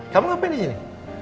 kamu ngapain disini